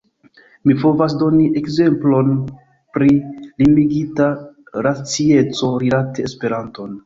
Mi povas doni ekzemplon pri limigita racieco rilate Esperanton.